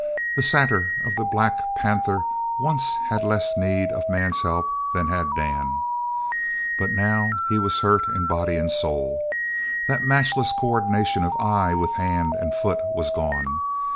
The satyr or the black panther once had less need of man's help than had Dan, but now he was hurt in body and soul. That matchless co ordination of eye with hand and foot was gone.